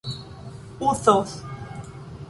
uzos